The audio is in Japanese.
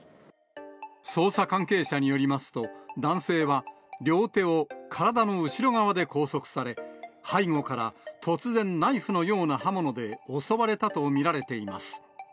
捜査関係者によりますと、男性は両手を体の後ろ側で拘束され、背後から突然、ナイフのような刃物で襲われたと見られています。